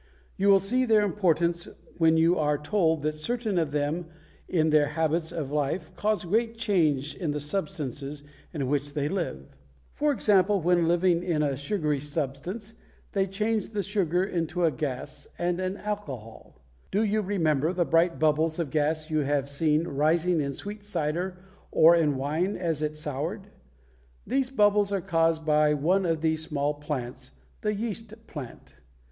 You will see their importance when you are told that certain of them in their habits of life cause great change in the substances in which they live. For example, when living in a sugary substance they change the sugar into a gas and an alcohol. Do you remember the bright bubbles of gas you have seen rising in sweet cider or in wine as it soured? These bubbles are caused by one of these small plants the yeast plant.